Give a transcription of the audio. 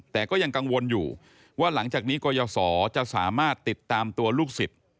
แต่ก็ยังกังวลอยู่ว่าหลังจากนี้กรยศจะสามารถติดตามตัวลูกศิษย์